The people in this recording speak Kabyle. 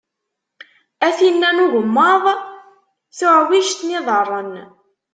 A tinn-a n ugemmaḍ, tuɛwijt n yiḍarren.